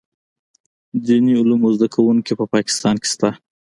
دیني علومو زده کوونکي په پاکستان کې شته.